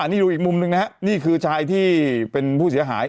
นี่ดูหนึ่งมุมนะครับนี่ครับชายที่เป็นผู้เสียหาย